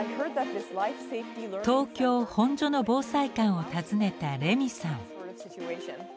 東京・本所の防災館を訪ねたレミーさん。